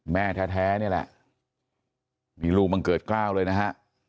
แม่แท้นี่แหละมีลูกบังเกิดกล้าวเลยนะฮะ